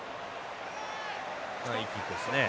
いいキックですね。